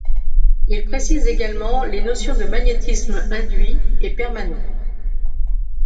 Il précise également les notions de magnétisme induit et permanent.